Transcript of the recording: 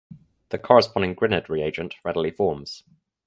The corresponding Grignard reagent readily forms.